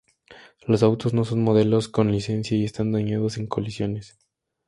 Los autos no son modelos con licencia y están dañados en colisiones.